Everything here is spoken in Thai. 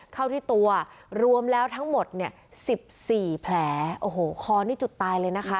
เข้าที่ตัวรวมแล้วทั้งหมดเนี่ยสิบสี่แผลโอ้โหคอนี่จุดตายเลยนะคะ